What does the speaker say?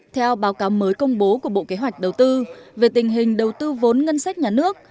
theo báo cáo mới công bố của bộ kế hoạch đầu tư về tình hình đầu tư vốn ngân sách nhà nước